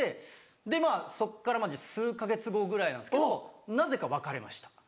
でまぁそっからマジ数か月後ぐらいなんですけどなぜか別れました。